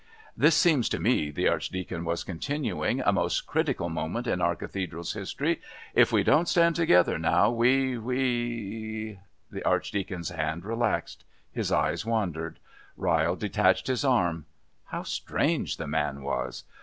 "This seems to me," the Archdeacon was continuing, "a most critical moment in our Cathedral's history. If we don't stand together now we we " The Archdeacon's hand relaxed. His eyes wandered. Ryle detached his arm. How strange the man was!